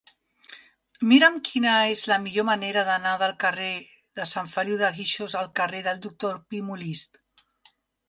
Mira'm quina és la millor manera d'anar del carrer de Sant Feliu de Guíxols al carrer del Doctor Pi i Molist.